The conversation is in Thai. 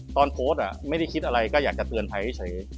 ตอนโพสต์ไม่ได้คิดอะไรก็อยากจะเตือนภัยเฉย